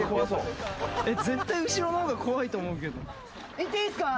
いっていいすか？